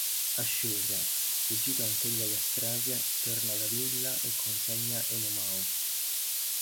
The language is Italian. Ashur, sfuggito anch'egli alla strage, torna alla villa e consegna Enomao.